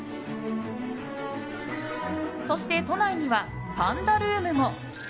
そして、都内にはパンダルームも。